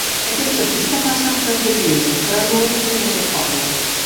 Aquesta pista passa a prop de Vilella, però no entra en aquest poble.